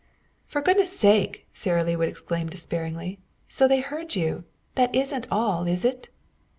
"For goodness' sake," Sara Lee would exclaim despairingly; "so they heard you! That isn't all, is it?"